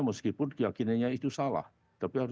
meskipun keyakinannya itu salah tapi harus